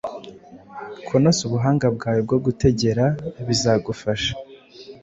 kunoza ubuhanga bwawe bwo gutegera bizagufaha